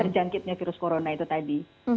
terjangkitnya virus corona itu tadi